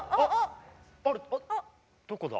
どこだ？